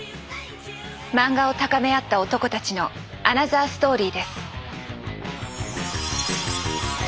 漫画を高め合った男たちのアナザーストーリーです。